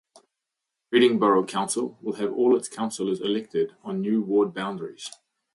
Reading Borough Council will have all its councillors elected on new ward boundaries.